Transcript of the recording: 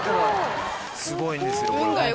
すごいんですよ。